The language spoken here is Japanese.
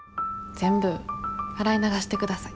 全部洗い流して下さい。